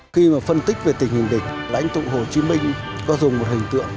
khi mà phân tích về tình hình địch là anh tụng hồ chí minh có dùng một hình tượng